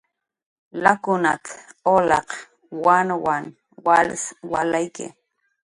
"Lakunat"" ulaq wanwan wals walayki"